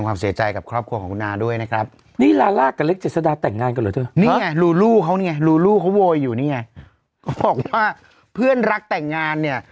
เขาบอกว่าเพื่อนรักแต่งงานเนี่ย